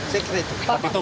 saya kira itu